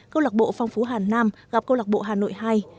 câu lạc bộ phong phú hàn nam gặp câu lạc bộ hà nội hai